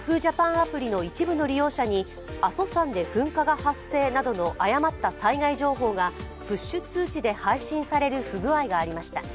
アプリの一部の利用者に阿蘇山で噴火が発生などの誤った災害情報がプッシュ通知で配信される不具合がありました。